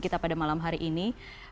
kita pada malam hari ini